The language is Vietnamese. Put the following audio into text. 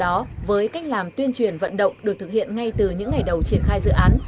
do đó với cách làm tuyên truyền vận động được thực hiện ngay từ những ngày đầu triển khai dự án